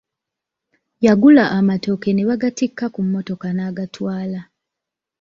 Yagula amatooke nebagattika ku mmotoka n'agatwala.